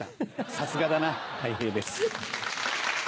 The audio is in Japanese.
さすがだなたい平です。